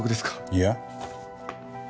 いや。